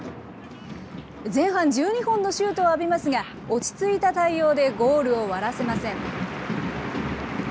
前半１２本のシュートを浴びますが、落ち着いた対応でゴールを割らせません。